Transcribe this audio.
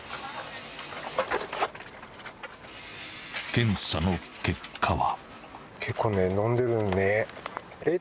［検査の結果は］